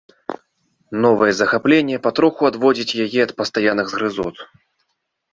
Новае захапленне патроху адводзіць яе ад пастаянных згрызот.